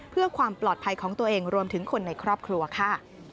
เพื่อความปลอดภัยของตัวเองรวมถึงคนในครอบครัวค่ะ